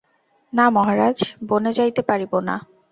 না মহারাজ, বনে যাইতে পারিব না।